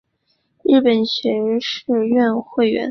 日本学士院会员。